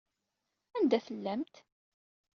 Anda tellamt?